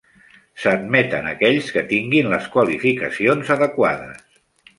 S'admeten aquells que tinguin les qualificacions adequades.